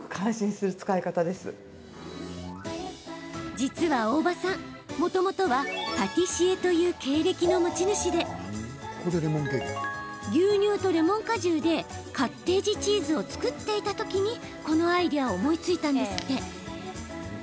実は大場さん、もともとはパティシエという経歴の持ち主で牛乳とレモン果汁でカッテージチーズを作っていたときにこのアイデアを思いついたんですって。